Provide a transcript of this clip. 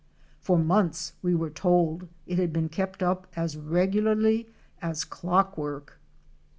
For months, we were told, it had been kept up as regularly as clockwork.